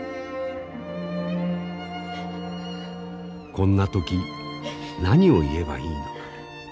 こんな時何を言えばいいのか。